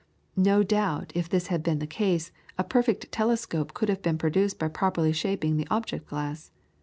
No doubt if this had been the case, a perfect telescope could have been produced by properly shaping the object glass.